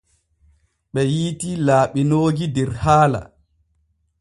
Ɓe yiitii laaɓinooji der haala.